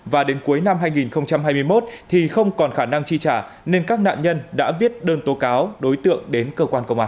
và đến cuối năm hai nghìn hai mươi một thì không còn khả năng chi trả nên các nạn nhân đã viết đơn tố cáo đối tượng đến cơ quan công an